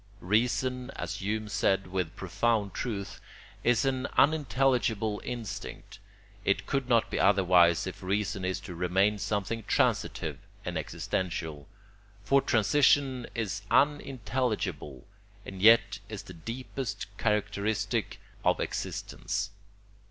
Reason, as Hume said with profound truth, is an unintelligible instinct. It could not be otherwise if reason is to remain something transitive and existential; for transition is unintelligible, and yet is the deepest characteristic of existence.